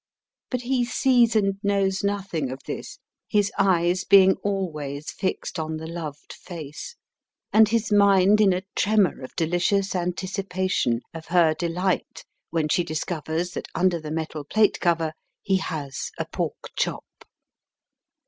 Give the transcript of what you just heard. But he sees and knows nothing of this, his eyes being always fixed on the loved face, and his mind in a tremor of delicious anticipa tion of her delight when she discovers that under the metal plate cover he has a pork chop.